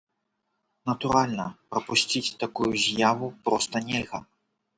Натуральна, прапусціць такую з'яву проста нельга!